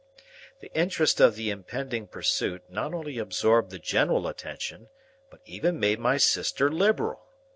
The interest of the impending pursuit not only absorbed the general attention, but even made my sister liberal.